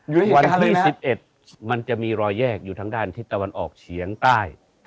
อยู่ในเหตุการณ์เลยนะครับวันที่๑๑มันจะมีรอยแยกอยู่ทั้งด้านทิศตะวันออกเฉียงใต้